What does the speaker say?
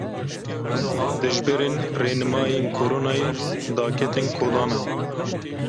Dijberên rênimayên Koronayê daketin kolanan.